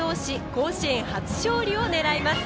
甲子園初勝利を狙います。